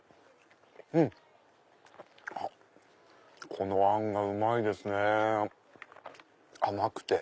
このあんがうまいですね甘くて。